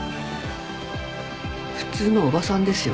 普通のおばさんですよ